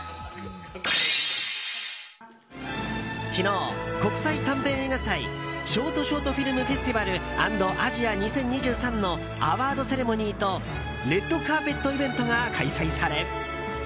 昨日、国際短編映画祭ショートショートフィルムフェスティバル＆アジア２０２３のアワードセレモニーとレッドカーペットイベントが開催され。